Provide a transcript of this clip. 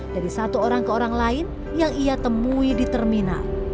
dari satu orang ke orang lain yang ia temui di terminal